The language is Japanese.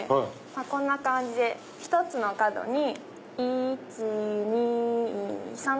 こんな感じで１つの角に１・２・３。